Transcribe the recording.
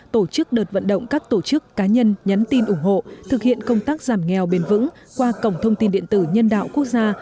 tổ chức đợt vận động các tổ chức cá nhân nhắn tin ủng hộ thực hiện công tác giảm nghèo bền vững qua cổng thông tin điện tử nhân đạo quốc gia một nghìn bốn trăm linh